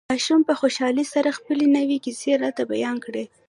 ماشوم په خوشحالۍ سره خپلې نوې کيسې راته بيان کړې.